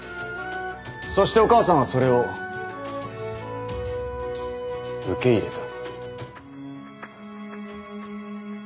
そしてお母さんはそれを受け入れた。